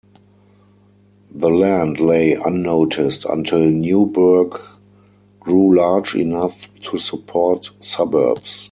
The land lay unnoticed until Newburgh grew large enough to support suburbs.